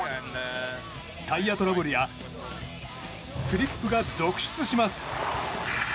タイヤトラブルやスリップが続出します。